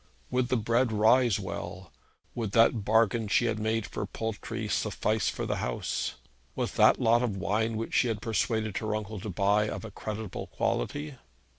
Would the bread rise well? Would that bargain she had made for poultry suffice for the house? Was that lot of wine which she had persuaded her uncle to buy of a creditable quality?